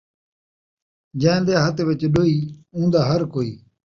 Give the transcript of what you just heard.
جین٘دے ہتھ ݙوئی ، اون٘دا ہر کوئی